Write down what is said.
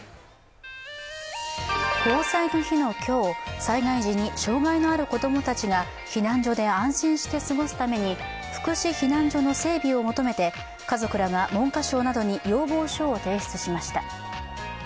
防災の日の今日、災害時に障害のある子供たちが避難所で安心して過ごすために福祉避難所の整備を求めて家族らが文科省などに要望書を提出しました。